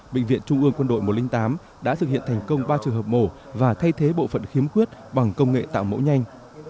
bệnh viện trung ương quân đội một trăm linh tám đã thực hiện thành công ba trường hợp mổ và thay thế bộ phận khiếm khuyết bằng công nghệ tạo mẫu nhanh